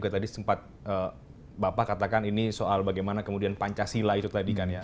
tadi sempat bapak katakan ini soal bagaimana kemudian pancasila itu tadi kan ya